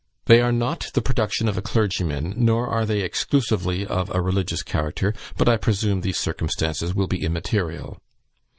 They are not the production of a clergyman, nor are they exclusively of a religious character; but I presume these circumstances will be immaterial.